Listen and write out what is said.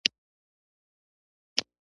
نو هغه شیان وکړه چې هیڅوک یې نه کوي.